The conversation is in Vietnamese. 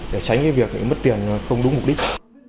để tránh việc mất tiền không đúng mục đích